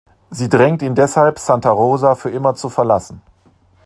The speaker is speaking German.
Sie drängt ihn deshalb, Santa Rosa für immer zu verlassen.